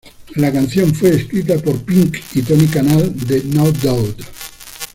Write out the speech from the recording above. La canción fue escrita por Pink y Tony Kanal de No Doubt.